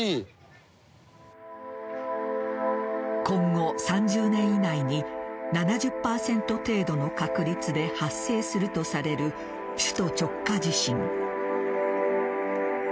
今後３０年以内に７０％程度の確率で発生するとされる首都直下型地震。